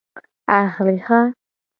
Ahliha.